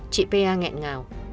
chị pia ngẹn ngào